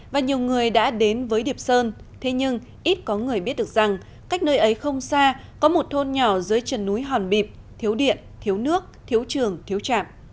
và nhiều người đã đến với điệp sơn thế nhưng ít có người biết được rằng cách nơi ấy không xa có một thôn nhỏ dưới chân núi hòn bịp thiếu điện thiếu nước thiếu trường thiếu trạm